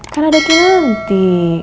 kan ada kinanti